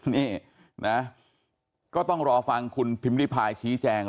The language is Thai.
นี่นะก็ต้องรอฟังคุณพิมพิพายชี้แจง